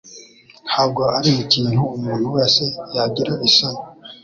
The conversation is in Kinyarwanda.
Ntabwo ari ikintu umuntu wese yagira isoni